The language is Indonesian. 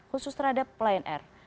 khusus terhadap plnr